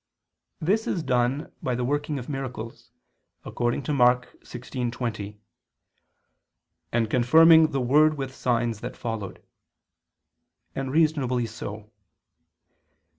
This is done by the working of miracles, according to Mk. 16:20, "And confirming the word with signs that followed": and reasonably so.